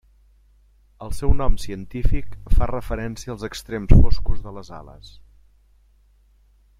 El seu nom científic fa referència als extrems foscos de les ales.